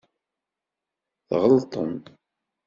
Tɣelṭem.